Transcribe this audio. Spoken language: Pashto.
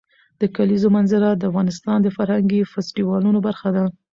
د کلیزو منظره د افغانستان د فرهنګي فستیوالونو برخه ده.